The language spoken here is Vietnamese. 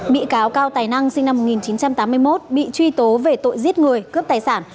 bị cáo cao tài năng sinh năm một nghìn chín trăm tám mươi một bị truy tố về tội giết người cướp tài sản